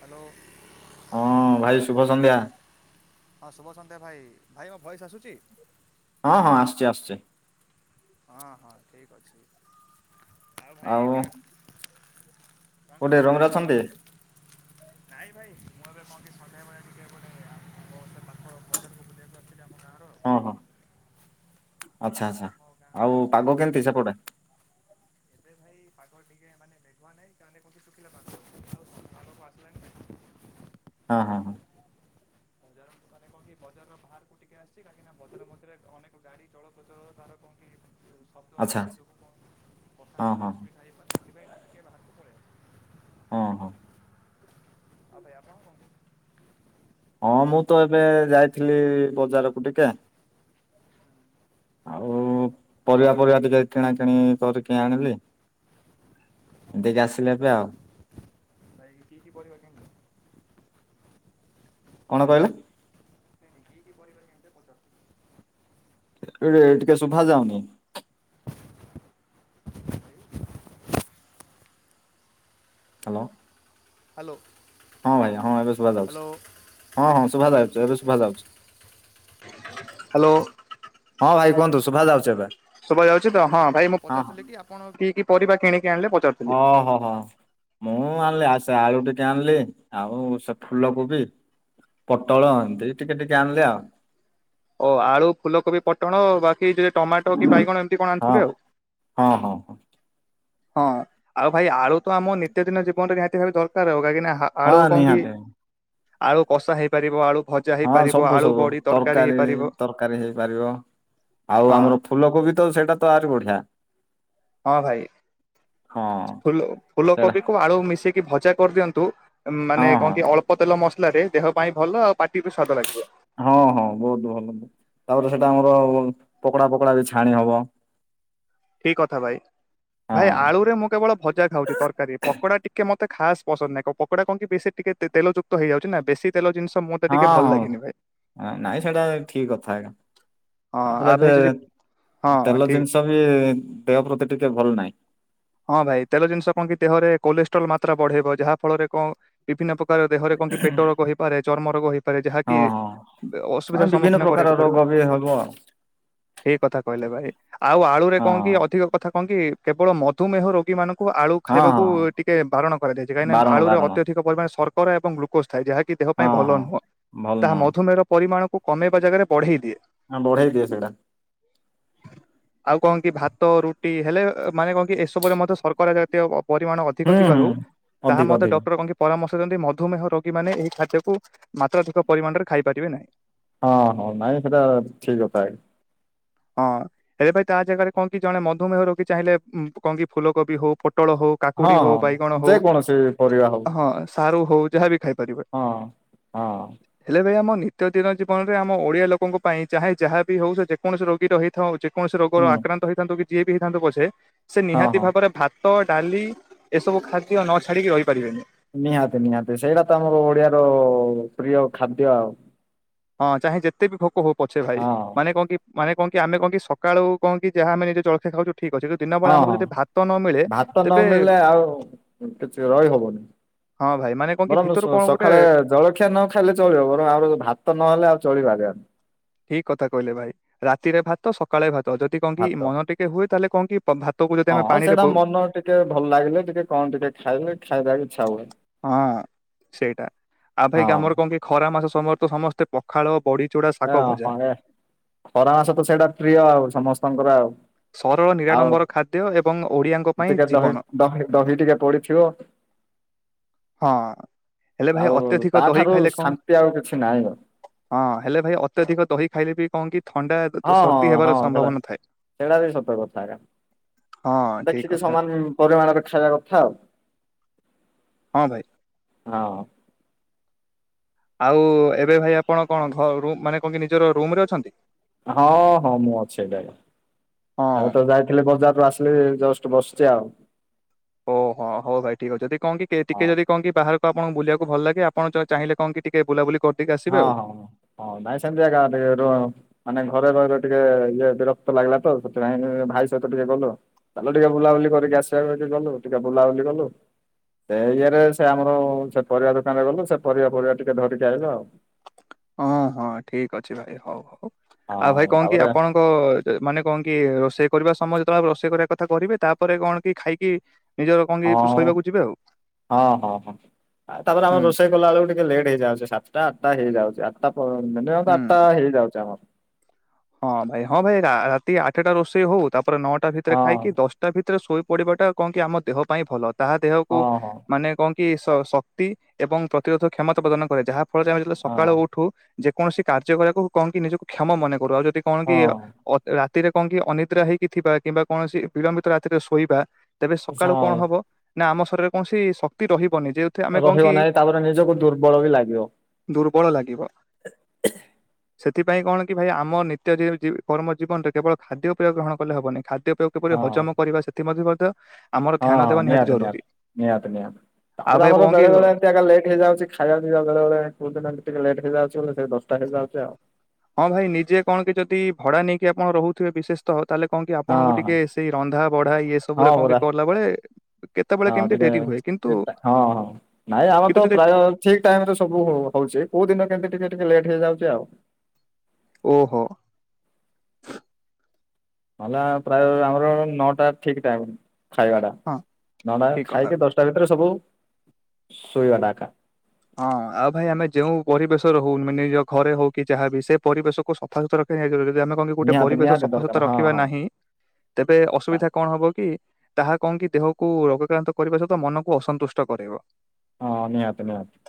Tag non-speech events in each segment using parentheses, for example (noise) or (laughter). Hello. ହଁ ଭାଇ ଶୁଭ ସନ୍ଧ୍ୟା। ହଁ ଶୁଭ ସନ୍ଧ୍ୟା ଭାଇ, ଭାଇ ମୋ ଭଏସ୍ ଆସୁଚି। ହଁ ହଁ ଆସୁଚି ଆସୁଚି। ହଁ ହଁ, ଠିକ୍ ଅଛି, ଆଉ ଭାଇ କେ କଣ କୋଉଠି କରୁଥିଲେ ରୁମରେ ଅଛନ୍ତି ଆପଣ? (unintelligible) ନାଇଁ ଭାଇ, ମୁଁ ଏବେ କଣ କି ସନ୍ଧ୍ୟାବେଳେ ଟିକେ ଏ ଗୋଟେ ଆ ପାଖ ବଜାରକୁ ବୁଲି ବାକୁ ଆସିଥିଲି ଆମ ଗାଁର ଓହୋ, ଆଛା ହଁ ଆଛା, ଆମ ଗାଁ ଆଉ ପାଗ ଆମ ଗାଁ କେମିତି ସେପଟେ? ଏବେ ଭାଇ (inaudible) ପାଗ ଟିକେ ମାନେ ମେଘୁଆ ନାଇଁ, ତାହାଲେ କୁହନ୍ତି ଶୁଖିଲା ପାଗ, (unintelligible) ଆସିଲା ହଁ ହଁ ହଁ। ବଜାର ମାନେ କଣ ବଜାରର ବାହାରକୁ ଟିକେ ଆସିଛି, କାହିଁକିନା ବଜାର ମଝିରେ ମଝିରେ ମଧ୍ୟରେ ଅନେକ ଗାଡି ଚଳପଚଳ ତାର କଉଠି (unintelligible) ଆଛା, ହଁ ହଁ। ଏହିପା ସେଥିପାଇଁ ଟିକେ ବାହାରକୁ ପଳେଇ ଆସିଚି। ହଁ ହଁ। ଭାଇ ଆପଣ କଣ କ ହଁ ମୁଁ ତ ଏବେ ଯାଇଥିଲି ବଜାରକୁ ଟିକେ ଆଉ ପରିବା ପରିବା ଟିକେ କିଣାକିଣି କରିକି ଆଣିଲି। ଦେଇକି ଆସିଲି ଏବେ ଆଉ ଭାଇ କିଛି କିଛି ପରିବା କିଣିଲ? କଣ କହିଲେ? କି କି ପରିବା କିଣିଲେ ପଚାରୁ ରେଟ୍ ତ ଶୁଭାଯାଉନି? ହାଲୋ। ହାଲୋ। ହଁ ଭାଇ ହଁ, ଏବେ ଶୁଭା ଯାଉଚି, ହଁ ହଁ ଶୁଭା ଯାଉଚି ଏବେ ଶୁଭା ଯାଉଚି। ହାଲୋ। ହଁ ଭାଇ କୁହନ୍ତୁ, ଶୁଭାଯାଉଚି ଏବେ। ଶୁଭା ଯାଉଚି ତ, ହଁ ଭାଇ ମୁଁ ହଁ ହଁ ପଚାରୁଥିଲି କି ଆପଣ କି କି ପରିବା କିଣିକି ଆଣିଲେ ପଚାରୁ ଅ ହୋ ହୋ। ମୁଁ ଆଣିଲି ଆଉ ସେ ଆଳୁ ଟିକେ ଆଣିଲି ଆଉ ସେ ଫୁଲ କୋବି ପୋଟଳ ଏମିତି ଟିକେ ଟିକେ ଆଣିଲି ଆଉ। ଓ ଆଳୁ ଫୁଲକୋବି ପୋଟଳ ବା କି ଟିକେ ଟମାଟୋ କି ବାଇଗଣ ଏମତି କଣ ହଁ ଆଣିଥିବେ ଆଉ? ହଁ ହଁ ହଁ ହଁ, ଆଉ ଭାଇ ଆଳୁ ତ ଆମ ନିତ୍ୟଦିନ ଜୀବନରେ ନିହାତି ଭାବେ ଦରକାର ଆଉ, କାହିଁକି ନା ହା ହଁ ଆଳୁ କଣ କି, ନିହାତି ଆଳୁ କଷା ହେଇପାରିବ, ଆଳୁ ଭଜା ହଁ ହେଇପାରିବ, ସବୁ ଆଳୁ ସବୁ ବଡି ତରକାରୀ ହେଇ ତରକାରୀ ହେଇପାରିବ ଆଉ ହଁ ଆମର ଫୁଲ କୋବି ତ ସେଇଟା ତ ଆହୁରି ବଢିଆ। ହଁ ଭାଇ। ହଁ ଫୁ୍ଲୋ ସେଇଟା ଫୁଲକୋବି କୁ ଆଳୁ ମିଶେଇକି ଭଜା କରିଦିଅନ୍ତୁ, ହଁ ମାନେ ହଁ କଣ କି ଅଳ୍ପ ତେଲ ମ ସଲାରେ ଦେହ ପାଇଁ ଭଲ, ଆଉ ପାଟି କୁ ସ୍ୱାଦ ଲାଗିବ। ହଁ ହଁ ବହୁତ ଭଲ, ତାପରେ ସେଟା ଆମର ପକଡା ପକୋଡା ବି ଛାଣି ହବ। ଠିକ୍ କଥା ଭାଇ? ଭାଇ ହଁ ଆଳୁରେ ମୁଁ କେବଳ ଭଜା ଖାଉଚି ତରକାରୀ, ପକୋଡା ଟିକେ ମତେ ଖାସ୍ ପସନ୍ଦ ନାହିଁ, କ ପ କଡା କଣ କି ବେଶ ଟିକେ ତେଲଯୁକ୍ତ ହେଇଯାଉଚି ନା, ବେଶୀ ପ ହଁ ହଁ ନାଇଁ ସେଇଟା ଠିକ କଥା ଆଞା। ହଁ ତାପରେ ଆଉ ଭାଇ ଏବେ ଯଦି ହଁ ତେଲ ଠିକ ଜିନିଷ ବି ଦେହ ପ୍ରତି ଟିକେ ଭଲ ନାହିଁ। ହଁ ଭାଇ ତେଲ ଜିନିଷ କଣ କି ଦେହରେ କୋଲେଷ୍ଟ୍ରୋଲ ମାତ୍ରା ବଢେଇବ ଯାହା ଫଳରେ କଣ ବିଭିନ୍ନ ପ୍ରକାର ଦେହରେ କଣ କିି ପେଟ ରୋଗ ହେଇପାରେ ଚର୍ମ ରୋଗ ହେଇ ହଁ ଯାହାକି ହଁ ଅସୁବିଧା ମାନେ ର ବିଭିନ୍ନ ସମ୍ମୁଖୀନ ପ୍ରକାର କରିବାକୁ ରୋଗ ପଡିବ। ବି ହବ ଆଉ ଏ କଥା କହିଲାବେଳେ ଆଉ ଆଳୁରେ କଣକି ଅଧିକ କଥା କଣ କି କେବଳ ମଧୁମେହ ରୋଗୀମାନ କୁ ଆଳୁ ହଁ ଖାଇବାକୁ ହଁ ହଁ ଟିକେ ବାରଣ କରାଯାଇଛି, କାହିଁକିନା ବାରଣ ଆଲୁରେ ବାରଣ ଅତ୍ୟଧିକ ପରିମାଣ ରେ ସର୍କରା ଏବଂ ଗ୍ଲୁ କୋଜ ଥାଏ, ଯାହାକି ଦେହ ପାଇଁ ହଁ ହଁ ଭଲ ନୁହଁ ଭଲ ତାହା ନୁହଁ ମଧୁମେହ ପରିମାଣକୁ କମେଇବା ଜାଗାରେ ବଢେଇ ଦିଏ। ହଁ ବଢ଼େଇ ଦିଏ ସେଇଟା। ଆଉ କଣ କି ଭାତ ରୁଟି ହେଲେ ମାନେ କଣ କି ଏସ ରେ ମଧ୍ୟ ସର୍କରା ଜାତୀୟ ପରିମାଣ ହୁଁ ଅଧିକ ହୁଁ ଥିବାରୁ ତାହା ଅଧିକ ମତେ ଅଧିକ ଡକ୍ତର କଣ କି ପରାମର୍ଶ ଦିଅନ୍ତି ମଧୁମେୟ ରୋଗୀ ମାନେ ଏହି ଖାଦ୍ୟକୁ ମାତ୍ରାଧିକ ପରିମାଣରେ ଖାଇପାରିବେ ନାହିଁ। ହଁ ହଁ ନାଇଁ ସେଟା ଠିକ କଥା ଆ ହଁ ଏଆପାଇଁ ତା ଜାଗାରେ କଣ କି ଜଣେ ମଧୁମେୟ ରୋଗି ଚାହିଁଲେ କଣ କି ଫୁଲକୋବି ହଉ ପୋଟଳ ହଉ ହଁ କାକୁଡି ହଁ ହଉ ବାଇଗଣ ହଉ ଯେକୌଣସି ପରିବା ହଉ ହଁ ସାରୁ ହଉ ଯାହାବି ଖାଇପାରିବେ। ହଁ ହଁ। ହେଲେ ଭାଇ ଆମ ନିତ୍ୟ ଦିନ ଜୀବନରେ ଆମ ଓଡିଆ ଲୋକଙ୍କ ପାଇଁ ଚାହେଁ ଯାହାବି ହଉ ସେ ଯେକୌଣସି ରୋଗୀ ର ହେଇଥାଉ ଉଚି କୌଣସି ହୁଁ ରୋଗର ଆକ୍ରା ହେଇଥାନ୍ତୁ କି ଯିଏ ବି ହେଇଥାନ୍ତୁ ପଛେ ସେ ହଁ ନିହାତି ହଁ ଭାବରେ ଭାତ ଭାତ, ଡାଲି ଏସବୁ ଖାଦ୍ୟ ନ ଛାଡ଼ିକି ରହିପାରିବେନି। ନିହାତି ନିହାତି ସେଇଟା ତ ଆମର ଓଡିଆର ପ୍ରିୟ ଖାଦ୍ୟ ଆଉ। ହଁ ଚାହେଁ ଯେତେ ବି ଭୋକ ହଉ ପଛେ ଭାଇ ହଁ ମାନେ କଣ କି ମାନେ କଣ କି ଆମେ କଣକି ସକାଳୁ କଣ କି ଯାହା ଆମେ ନିଜେ ଜଳଖିଆ ଖାଉଛୁ ଠିକ୍ ଅଛି, ସେଯୋଉଁ ହଁ ହଁ ଭାତ ନ ମିଳିଲେ ଆଉ କିଛି ରହି ହବନି। ହଁ ଭାଇ ମାନେ କଣ କି ବରଂ ଭିତରୁ ସ କଣ ଗୋଟେ ସକାଳେ ଜଳ ଖ୍ୟା ନ ଖାଇଲେ ଚଳିବ ବରଂ ଆ ଭାତ ନହେଲେ ଆଉ ଚଳିପାରିବନି। ଠିକ କଥା କହିଲେ ଭାଇ ରାତିରେ ଭାତ ସ କାଳେ ଭାତ ଯଦି କଣ କି ଭାତ ମନ ଟିକେ ହୁଏ ତାହେଲେ କହ କି ଭାତକୁ ଯଦି ଆମେ ହଁ ପାଣିରେ ସେଇଟା ପୁ ମନ ଟିକେ ଭଲ ଲାଗିଲେ ଟିକେ କଣ ଟିକେ ଖାଇଲେ ଖାଇବାକୁ ଇଚ୍ଛା ହୁଏ। ହଁ ସେଇଟା ଆଉ ଭାଇ ହଁ ଆମର କଣ କି ଖରା ମାସ ସମୟରେ ତ ସମସ୍ତେ ପଖାଳ ବଡିଚୁଡା ଶାଗ ଏ ଭଜା। ହଁ ଏ ଖରା ମାସ ତ ସେଇଟା ପ୍ରିୟ ଆଉ ସମସ୍ତଙ୍କର ଆଉ। ସରଳ ଆଉ ନିରାଡମ୍ବର ଖାଦ୍ୟ ଏବଂ ଓଡିଆଙ୍କ ପାଇଁ ଟିକେ ଦହି ଜୀବନ ଦହି ଦହି ଟିକେ ପଡିଥିବ। ହଁ ହେଲେ ଭାଇ ଆଉ ଅତ୍ୟଧିକ ତା ଦହି ଠାରୁ ଖାଇଲେ କଣ ଶାନ୍ତି ଆଉ କିଛି ନାହିଁ ଆଉ। ହଁ ହେଲେ ଭାଇ ଅତ୍ୟଧିକ ଦହି ଖାଇଲେ ବି କଣ କି ଥଣ୍ଡା ହଁ ହଁ ସର୍ଦ୍ଦି ହେବାର ହଁ ସେଇଟା ସମ୍ଭାବନା ଥାଏ। ସେଇଟା ବି ସତ କଥା ଆଜ୍ଞା, ହଁ ଠିକ ଦେଖିକି କଥା ସମାନ ପରିମାଣରେ ଖାଇବା କଥା ଆଉ। ହଁ ଭାଇ। ହଁ। ଆଉ ଏବେ ଭାଇ ଆପଣ କଣ ଘରୁ ମାନେ କଣ କି ନିଜର ରୁମ ରେ ଅଛନ୍ତି। ହଁ ହଁ ମୁଁ ଅଛି ଏଟା ହଁ ଏବେ ତ ଯାଇଥିଲେ ବଜାରରୁ ଆସ ଲି ଜଷ୍ଟ ବସିଛି ଆଉ। ଓହୋ ହଉ ଭାଇ ଠିକ ଅଛି ଯଦି କନ କିି ଟିକେ ହଁ। ଯଦି କନ କି ବାହାରକୁ ଆପଣଙ୍କୁ ବୁଲିବାକୁ ଭଲ ଲାଗେ ଆପଣ ଚାଁହିଲେ କନ କି ଟିକେ ବୁଲାବୁଲି କର ହଁ ହଁ ହଁ ନାଇଁ ସେମିତି କା ଗାଁ ଟିକେ ର ମାନେ ଘରେ ରହି ରହି ଟିକେ ଇଏ ବିରକ୍ତ ଲାଗିଲା ତ ସେଥିପାଇଁ ଭାଇ ସହିତ ଟିକେ ଗଲୁ। ଚାଲ ଟିକେ ବୁଲାବୁଲି କରିକି ଆସିବାକୁ ଗଲୁ। ଟିକେ ବୁଲାବୁଲି କଲୁ। ସେ ଇଏରେ ସେ ଆମର ସେ ପରିବା ଦୋକାନରେ ଗଲୁ। ସେ ପରିବା ପରିବା ଟିକେ ଧରିକି ଆଇ ଆଉ। ହଁ ହଁ ଠିକ ଅଛି ଭାଇ ହଉ ହଉ। ଆଉ ଭାଇ ହଁ କଣ କି ତାପରେ ଆପଣ ମାନେ କଣ କି ରୋଷେଇ କରିବା ସମୟ ଯେତେବେଳେ ରୋଷେଇ କରିବା କଥା କରହିବେ ତାପରେ କଣ କି ଖାଇକି ନିଜର କଣ କି ହଁ ଶୋଇବାକୁ ଯିବେ ଆଉ ହଁ ହଁ ହଁ। ତାପରେ ଆମର ହୁଁ ରୋଷେଇ କଲା ବେଳକୁ ଟିକେ ଲେଟ୍ ହେଇଯାଉଛି ସାତଟା ଆଠଟା ହେଇଯାଉଛି ଆଠଟା ପ ମିନିମମ୍ ତ ହୁଁ। ଆଠଟା ହେଇଯାଉଛି ଆମର। ହଁ ଭାଇ ହଁ ଭାଇ ରାତି ଆଠଟା ରୋଷେଇ ହଉ ତାପରେ ନଅଟା ଭିତରେ ହଁ ଖାଇକି ଦଶ ତା ଭିତରେ ଶୋଇ ପଡିବା ଟା କଣ କି ଆମ ଦେହ ପାଇଁ ଭଲ। ତାହା ଦେହକୁ ହଁ ମାନେ କଣ କି ଶକ୍ତି ଏବଂ ପ୍ରତିରୋଧ କ୍ଷମତା ପ୍ରଦାନ କରେ। ଯାହାଫଳରେ ଆମେ ସକାଳୁ ହଁ ଉ ଠୁ ଯେକୌଣସି କାର୍ଯ୍ୟ କରିବାକୁ କଣ କି ନିଜକୁ କ୍ଷମ ମନେ କରୁ। ଆଉ ଯଦି କଣ କି ହଁ ଅ ରା ରାତିରେ କଣ କି ଅନିଦ୍ରା ହେଇକି ଥିବା କିମ୍ବା କୌଣସି ବିଳମ୍ବିତ ରାତିରେ ଶୋଇବା ତେବେ ସକାଳୁ କଣ ହଁ। ହବ ନା ଆମ ଶରୀରରେ କୌଣସି ଶକ୍ତି ରହିବନି ଯେହେ ରହିବ ନାହିଁ ତାପରେ ନିଜକୁ ଦୁର୍ବଳ ବି ଲାଗିବ। ଦୁର୍ବଳ ଲାଗିବ। ସେଥିପାଇଁ କଣ କି ଭାଇ ଆମ ନିତ୍ୟ କର୍ମ ଜୀବନରେ କେବଳ ଖାଦ୍ୟ ଉପୟୋଗ ଗ୍ରହଣ କଲେ ହେବନି ଖା କିପରି ହଁ। ହଜମ କରିବା ସେଥିମ ମଧ୍ୟ ଆମର ହଁ ଧ୍ୟାନ ଦେବା ନିହାତି ଜରୁରୀ ନିହାତି ନିହାତି ନିହାତି ଆଉ ତାପରେ ଭାଇ ଆମର କଣ କି ବେଳେ ବେଳେ ଏମିତି ଆ ଲେଟ୍ ହେଇଯାଉଛି ଖାଇବା ପିଇବା ବେଳେ କଉ ଦିନ ଟିକେ ଲେଟ ହେଇଯାଉଛି ବୋଲି ସେ ଦଶଟା ହେଇଯାଉଛି ଆଉ। ହଁ ଭାଇ ନିଜେ କଣ କି ଯଦି ଭଡା ନେଇକି ଆପଣ ରହୁଥିବେ ବିଶେଷ ତ ତାହଲେ କହଣ କି ହଁ ଆପଣଙ୍କୁ ହଁ ଟିକେ ସେଇ ରନ୍ଧା ବଢା ଇଏ ହଁ ସବୁରେ କଣ ପରା କି କଲା ବେଳେ ହଁ ଟିକେ ହଁ ହଁ ନାଇଁ ଆମ କିନ୍ତୁ ତ ଯଦି ପ୍ରାୟ ଠିକ ଟାଇମ ରେ ସବୁ ହ ହଉଛି। କୋଉ ଦିନ କେମତି ଟିକେ ଟିକେ ଲେଟ୍ ହେଇଯାଉଛି ଆଉ। ଓହୋ। ହେଲା ପ୍ରାୟ ଆମର ନଅଟା ଠିକ ଟାଇମ ଖାଇବା ଟା। ହଁ ନଅଟା ଠିକ କଥା ଖାଇକି ଦଶ ତା ଭିତରେ ସବୁ ଶୋଇବା ଟା କା। ହଁ ଆଉ ଭାଇ ଆମେ ଯୋଉ ପରିବେଶ ର ରହୁ ମାନେ ନେଳ ନିଜ ଘରେ ହଉ କି ଯାହାବି ସେ ପରିବେଶକୁ ସଫାସୁତୁରା ରଖିବା ଜରୁରି। ଯଦି ଆମେ ଏବଂ ଗୋଟେ ନିହାତି ପରିବେଶ ନିହାତି ସଫାସତା ଦରକାର ହଁ ରଖିବା ହଁ ନାହିଁ ତେବେ ଅସୁବିଧା କଣ ହବ କି ତାହା କଣ କି ଦେହକୁ ରୋଗକ୍ରାନ୍ତ କରିବା ସହିତ ମନକୁ ଅସନ୍ତୁଷ୍ଟ କରାଇବ। ହଁ ନିହାତି ନିହାତି।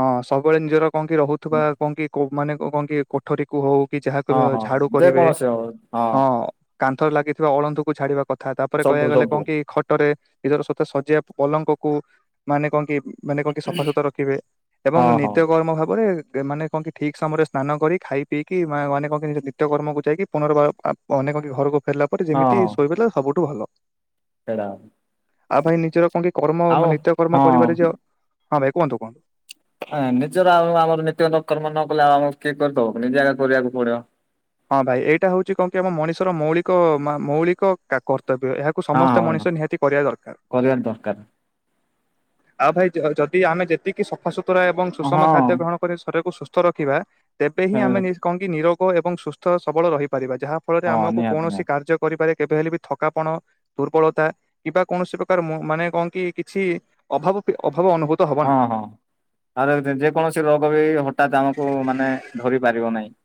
ହଁ ସବୁବେଳେ ନିଜର କଣ କି ରହୁଥିବା କଣ କି ମାନେ କଣ କି କୋଠରୀ କୁ ହଉ କି ଯାହାକୁ ହଁ ହଁ ଝାଡୁ କରିବେ। ଯେକୌଣସି ହଉ ହଁ। କାନ୍ଥରେ ଲାଗିଥିବା ଅଳନ୍ତୁକୁ ଛାଡିବା କଥା ତାପରେ ସବୁ କହିବାକୁ ଗଲେ ସବୁ କଣ କି ଖଟରେ ନିଜର ସତ ସଜ୍ୟା କଲଙ୍କ କୁ ମାନେ କହ କି ମାନେ କହ କି ସଫାସୁତୁରା ଖିବେ ଏବଂ ହଁ ହଁ। ନିତ୍ୟକର୍ମ ଭାବରେ ମାନେ ଙ୍କ ଠିକ ସମୟରେ ସ୍ନାନ କରି ଖାଇ ପିଇକି ଅନେକଙ୍କ ନିଜ ନିତ୍ୟକର୍ମକୁ ଯାଇକି ପୁନର୍ବାର ଅନେକଙ୍କ ଘରକୁ ଫେରିଲଲା ପରେ ହଁ ଯେମିତି ହଁ ଶୋଇବାଟା ସବୁଠୁ ଭଲ। ସେଇଟା (inaudible) ଆଉ ଭାଇ ନିଜର କୋଣଠି କର୍ମ ଆଉ ନିତ୍ୟ କର୍ମ ହଁ କରିବାରେ ଯ ହଁ ଭାଇ କୁହନ୍ତୁ କଣ? ହଁ ନିଜର ଆଉ ଆମର ନିତ୍ୟ ନ କର୍ମ ନ କଲେ ଆଉ ଆମ କିଏ କରିଦବ କି? ନିଜେ ଆକା କରିବାକୁ ପଡିବ। ହଁ ଭାଇ ଏଇଟା ହଉଛି କଣ କି ଆମ ମଣିଷର ମୌଳିକ ମୌଳିକ କା କର୍ତ୍ତବ୍ୟ। ଏହା କୁ ହଁ ସମସ୍ତେ ମଣିଷ ହଁ ନିହାତି କରିବା ଦରକାର। କରିବା ଦରକାର ଆଉ ଭାଇ ଯଦି ଆମେ ଯେତିକି ସଫାସୁତୁରା ଏବଂ ସୁଷମ ହଁ ଖାଦ୍ୟ ଗ୍ରହଣ କରି ଶରୀକୁ ସୁସ୍ଥ ରଖିବା ତେବେ ହିଁ ଆମେ କଣି ନିରୋଗ ଏବଂ ସୁସ୍ଥ ସବଳ ରହିପାରିବା। ଯାହା ଫଳରେ ହଁ ଆମକୁ ନିହାତି କୌଣସି ନିହାତି କାର୍ଯ୍ୟ କରିବାରେ କେବେ ହେଲେ ବି ଥକାପଣ ଦୁର୍ବଳତା କିମ୍ବା କୌଣସି ପ୍ରକାର ମାନେ କଣ କି କିଛି ଅଭାବ ଅଭାବ ଅନୁଭୂତ ହବ ନାହିଁ। ହଁ ହଁ ଆ ଯେକୌଣସି ରୋଗ ବି ହଠାତ୍ ଆମକୁ ମାନେ ଧରି ପାରିବ ନାହିଁ।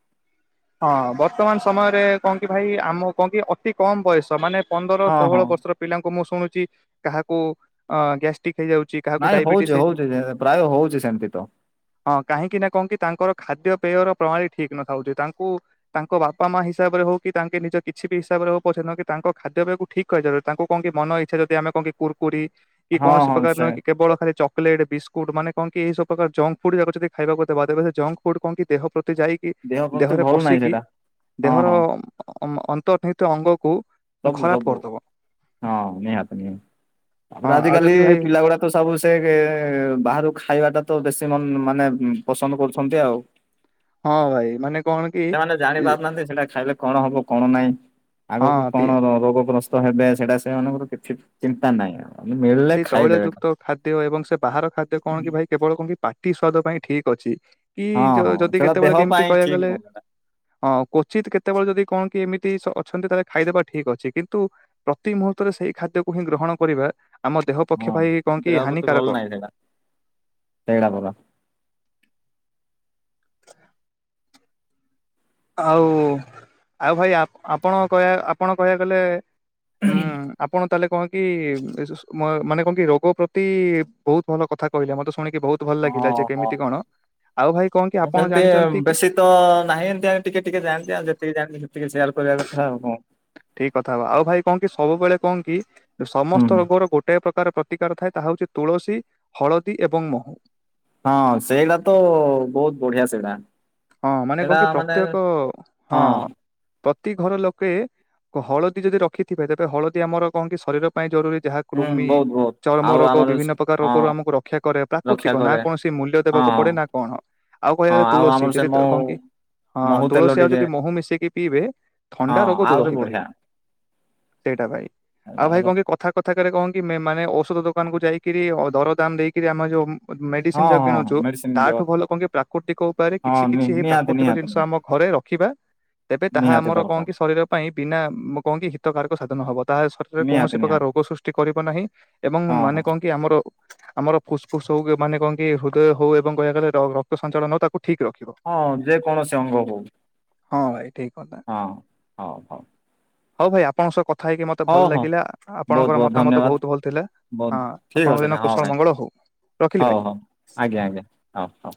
ହଁ ବର୍ତ୍ତମାନ ସମୟରେ କଣ କି ଭାଇ ଆମ କଣ କି ଅତି କମ ବୟସ ମାନେ ପନ୍ଦର ହଁ ହଁ ଷୋହଳ ବର୍ଷର ପିଲାଙ୍କୁ ମୁଁ ଶୁଣୁଛି କାହାକୁ ଅ ଗ୍ୟାଷ୍ଟ୍ରିକ୍ ହେଇଯାଉଛି। କାହାକୁ ନାଇଁ ଡାଇବେଟିସ୍ ହଉଛି ହେଇଛି ହଉଛି ପ୍ରାୟ ହଉଛି ସେମିତି ତ। ହଁ କାହିଁକି ନା କଣ କି ତାଙ୍କର ଖାଦ୍ୟ ପେୟର ପ୍ରଣାଳୀ ଠିକ ନଥାଉଛି ତାଙ୍କୁ ତାଙ୍କ ବାପା ମା ହିସାବରେ ହଉ କି ତାଙ୍କେ ନିଜ କିଛି ବି ହିସାବରେ ହଉ ପଛେ ସେକ କି ତାଙ୍କ ଖାଦ୍ୟ ପେୟକୁ ଠିକ ତାଙ୍କୁ କଣ କି ମନ ଇଛା ଯଦି ଆମେ କଣ କି କୁରକୁରି କି ହଁ କୌଣସି ହଁ ପ୍ରକାର ସେ ହେଁ କେବଳ ଖାଲି ଚାକୋଲଟ। ଚକଲେଟ୍ ବିସ୍କୁଟ୍ ମାନେ କଣ କି ଏହି ସବୁ ପ୍ରକାର ଜଙ୍କ ଫୁଡ଼ ଯଦ ଖାଇବାକୁ ଦେବା ଦେବେ ସେ ଜଙ୍କ ଫୁଡ଼୍ କଣ କି ଦେହ ପ୍ରତି ଯାଇ ଦେହ ପ୍ରତି ଭଲ ନାହିଁ ସେଇଟା ହଁ ଦେହର ହଁ। ଅନ୍ତର୍ନିହିତ ଅଙ୍ଗକୁ ସବୁ ଖରାପ ସବୁ କରିଦବ ହଁ, ନିହାତି ନି ତାପରେ ହଁ ଆଉ ଆଜିିକାଲି ଯଦି ଭାଇ ପିଲା ଗୁଡା ତ ସବୁ ସେ ବାହାରୁକୁ ଖାଇବାଟା ତ ବେଶୀ ମ ମାନେ ପସନ୍ଦ କରୁଛନ୍ତି ଆଉ। ହଁ ଭାଇ ମାନେ କଣ କି ସେମାନେ ଜାଣି ଇ- ପାରୁନାହାନ୍ତି ସେଇଟା ଖାଇଲେ କଣ ହବ କଣ ନାହିଁ ହଁ ଆଗକୁ? ପି। ରୋଗ ଗ୍ରସ୍ତ ହେବେ ସେଇଟା ସେମାନଙ୍କର କିଛି ଚିନ୍ତା ନାହିଁ ଆ ସେଇ ତୈଳ ଯୁକ୍ତ ଖାଦ୍ୟ ଏବଂ ସେ ବାହାର ଖାଦ୍ୟ କଣ କି ଭାଇ କେବଳ କେମ ପାଟି ସ୍ଵାଦ ପାଇଁ ଠିକ ଅଛି କି ହଁ ହଁ ଯଦି ସେଇଟା ଦେହ କେତେବେଳେ କେମିତି ପାଇଁ କହଆ ଠିକ ଗଲେ ନୁହଁ ସେଇଟା ହଁ କୋଚିତ କେତେବେଳେ ଯଦି କଣ କି ଏମିତି ଅଛନ୍ତି ତାହେଲେ ଖାଇଦେବା ଠିକ ଅଛି କିନ୍ତୁ ପ୍ରତି ମୁହୂର୍ତରେ ସେଇ ଖାଦ୍ୟକୁ ହିଁ ଗ୍ରହଣ କରିବା ଆମ ଦେହ ପକ୍ଷ ହଁ। ପାଇଁ କଣ କି ଦେହ ହାନିକାରକ। ବାବା ଆଉ, ଆଉ ଭାଇ ଆପଣ କହିବା ଆପଣ କହିବାକୁ ଗଲେ ହୁଁ ଆପଣ। ତା ହେଲେ କଣ କି ମାନେ କଣ କି ରୋଗ ପ୍ରତି ବହୁତ ଭଲ କଥା କହିଲେ ମତେ ଶୁଣିକି ବହୁତ ଭଲ ଲାଗିଲା। ଯେ ହଁ ହଁ। କେମିତି କଣ ଆଉ ଭାଇ କଣ କି ଆପଣ ସେମିତି ଜାଣିଛନ୍ତି କି? ବେଶୀ ତ ନାହିଁ ଏମତି ଆଉେ ଟିକେ ଜାଣନ୍ତି ଆଉ ଯେତିକି ଜାଣନ୍ତି ସେତିକି ସେୟାର କରିବା କଥା ଆଉ ହଁ। ଠିକ କଥା ହବା ଆଉ ଭାଇ କଣ କି ସବୁବେଳେ କଣ କି ହୁଁ ସମସ୍ତ ରୋଗର ଗୋଟେ ପ୍ରକାର ପ୍ରକାର ପ୍ରତିକାର ଥାଏ ତାହା ହଉଛି ତୁଳସୀ ହଳଦୀ ଏବଂ ମହୁ। ହଁ ସେଇଗଟା ତ ବହୁତ ବଢିଆ ସେଇଟା। ହଁ ମାନେ କଣ ସେଇଟା କି ମାନେ ପ୍ରତ୍ୟେକ ହଁ ପ୍ରତି ଘର ଲୋକେ ହଳଦୀ ଯଦି ରଖିଥିବେ ତେବେ ହଳଦୀ ଆମର କଣ କି ଶରୀର ଜରୁରୀ ଯାହା ହୁଁ କୃମି ବହୁତ ବହୁତ ଚର୍ମ ଆଉ ରୋଗ ଆମର ବିଭିନ୍ନ ପ୍ରକାର ହଁ ରୋଗରୁ ଆମକୁ ରକ୍ଷା କରେ ରକ୍ଷା ପ୍ରାକୃତିକ ନା କରେ କୌଣସି ମୂଲ୍ୟ ହଁ ଦେବାକୁ ହଁ ପଡେ ନା କଣ ଆଉ ହଁ କହିବା ଆଉ ତୁଳସୀ ଆମର ସେ ଯି ମହୁ କଣ କି ହଁ ମହୁ ତେଲ ତୁଳସୀ ଆଉ ଟିକେ ଯଦି ମହୁ ମିଶେଇକି ପିଇବେ ହଁ ଥଣ୍ଡା ରୋଗ ଦୂର ଆହୁରି ହେଇପାରିବ। ବଢିଆ ସେଇଟା ଭାଇ ଆଉ ଭାଇ କଣ କଥା କଥା କରେ କହ କି ମାନେ ଔଷଧ ଦୋକାନ କୁ ଯାଇକି ଦର ଦାମ ଦେଇକିରି ଆମର ଯୋଉ ମେଡିସିନ ହଁ ଯାହା ହଁ କିଣୁଛୁ ମେଡିସିନ ଦିଅ ତାଠୁ ଭଲ କଣ କି ପ୍ରାକୃତିକ ଉପାୟରେ ହଁ କିଛି କିଛିଇ ନିହାତି ପ୍ରାକୃତିକ ନିହାତି ଜିନିଷ ଆମ ନିହାତି ଘରେ ରଖିବା ତେବେ ତାହା ନିହାତି ଆମର କଣ ଦରକାର କି ଶରୀର ପାଇଁ ବିନା କଣ କି ହିତକାରକ ସାଧନ ହବ। ତାହା ଶରୀରରେ ନିହାତି କୌଣସି ପ୍ରକାର ନିହାତି ରୋଗ ସୃଷ୍ଟି କରିବ ନାହିଁ ଏବଂ ହଁ ମାନେ ହଁ କଣ କି ଆମର ଆମର ଫୁସଫୁସ ହଉ ମାନେ କଣ କି ହୃଦୟ ହଉ ଏବଂ କହିବା ଗଲେ ରକ୍ତ ସଞ୍ଚାଳନ ହଉ ତାକୁ ଠିକ ରଖ ହଁ ଯେକୌଣସି ଅଙ୍ଗ ହଉ। ହଁ ଭାଇ ଠିକ୍ କଥା। ହଁ ହଉ ହଉ। ହଉ ଭାଇ ଆପଣଙ୍କ ସହ କଥା ହେଇକି ମତେ ହଉ ଭଲ ହଉ ଲାଗିଲା ବହୁତ ଆପଣଙ୍କର ବହୁତ ମତାମତ ଧନ୍ୟବାଦ ବହୁତ ଭଲ ଥିଲା। ବହୁତ ହଁ ଠିକ ଆପଣଙ୍କ ଅଛି ଦିନ ହଁ କୁଶଳ ଭାଇ ମଙ୍ଗଳ ହଉ ରଖିଲି ହଉ ଭାଇ। ହଉ ଆଜ୍ଞା ଆଜ୍ଞା ହଉ ହଉ।